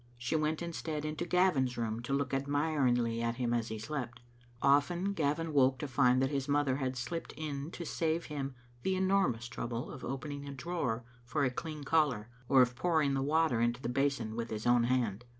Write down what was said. She went instead into Gavin's room to look admiringly at him as he slept. Often Gavin woke to find that his mother had slipped in to save him the enormous trouble of opening a drawer for a clean collar, or of pouring the water into the basin with his own hand.